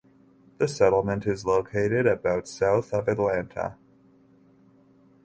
The settlement is located about south of Atlanta.